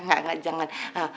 nggak nggak jangan